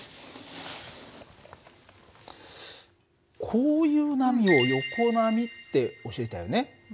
こういう波を横波って教えたよね。